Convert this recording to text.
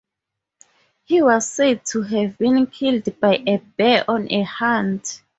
He was said to have been killed by a bear on a hunt.